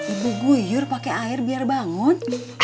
ibu guyur pakai air biar bangun